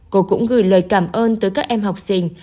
cô cũng gửi lời cảm ơn tới các em học sinh